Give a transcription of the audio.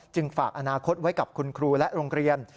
ฝากอนาคตไว้กับคุณครูและโรงเรียน